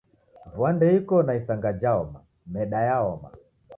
Vua ndeiko na isanga jhaoma, meda yaoma